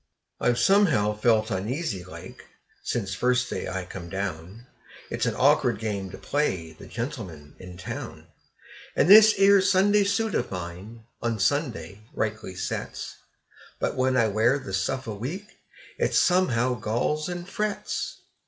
I've somehow felt uneasy like, since first day I come down; It is an awkward game to play the gentleman in town; And this 'ere Sunday suit of mine on Sunday rightly sets; But when I wear the stuff a week, it somehow galls and frets.